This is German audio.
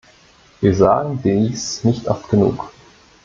Wir sagen dies nicht oft genug.